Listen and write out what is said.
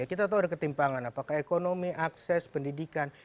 kita tahu ada ketimpangan apakah ekonomi akses pendidikan